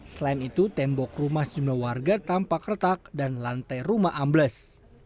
selain itu tembok rumah sejumlah warga tampak retak dan lantai rumah ambles